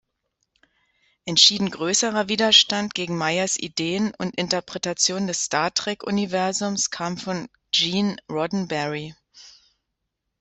Entschieden größerer Widerstand gegen Meyers Ideen und Interpretation des Star-Trek-Universums kam von Gene Roddenberry.